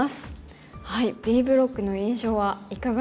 Ｂブロックの印象はいかがでしょうか？